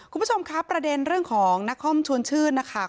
คุณผู้ชมครับประเด็นเรื่องของนครชวนชื่นนะคะ